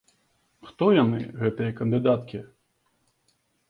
Хто яны, гэтыя кандыдаткі?